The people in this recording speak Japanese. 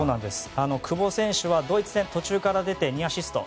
久保選手はドイツ戦で途中から出て２アシスト。